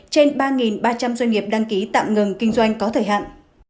trên ba ba trăm linh doanh nghiệp đăng ký tạm ngừng kinh doanh có thời hạn